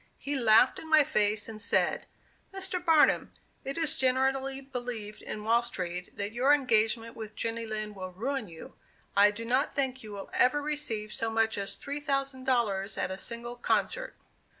He laughed in my face, and said: "Mr. Barnum, it is generally believed in Wall Street, that your engagement with Jenny Lind will ruin you. I do not think you will ever receive so much as three thousand dollars at a single concert."